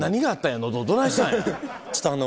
どないしたんや？